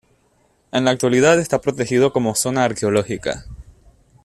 En la actualidad está protegido como zona arqueológica.